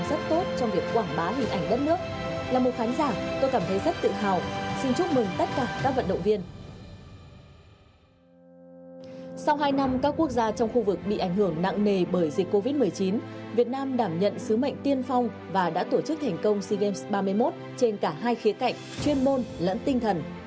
sau hai năm các quốc gia trong khu vực bị ảnh hưởng nặng nề bởi dịch covid một mươi chín việt nam đảm nhận sứ mệnh tiên phong và đã tổ chức thành công sea games ba mươi một trên cả hai khía cạnh chuyên môn lẫn tinh thần